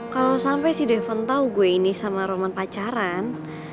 kalau sampai si daven tahu gue ini sama roman pacaran